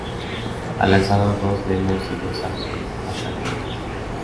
Ha lanzado dos demos y dos álbumes hasta el momento.